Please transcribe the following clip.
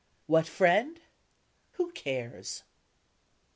What friend? Who cares?